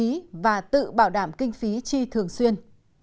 nhà nước bảo đảm kinh phí chi thường xuyên